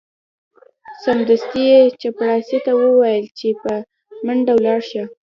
سمدستي یې چپړاسي ته وویل چې په منډه ولاړ شه.